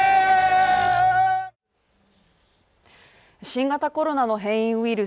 新型コロナの変異ウイル